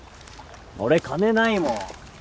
俺金ないもん。